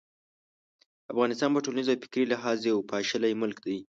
افغانستان په ټولنیز او فکري لحاظ یو پاشلی ملک دی.